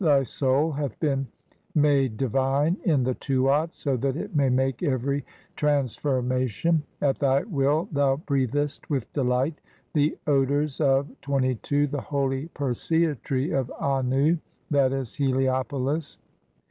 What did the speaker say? Thy soul hath been made divine "in the Tuat so that it may make every transforma "tion ; at thy will thou breath est with delight [the "odours] of (22) the holy Persea tree of Annu (/.«\, "Heliopolis).